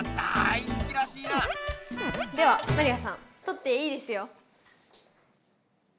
ではマリアさんとっていいですよ。